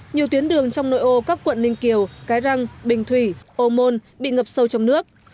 nhiều tuyến đường trong nội ô các quận ninh kiều cái răng bình thủy ô môn bị ngập sâu trong nước